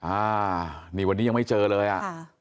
อ่าวันนี้ยังไม่เจอเลยอ่ะ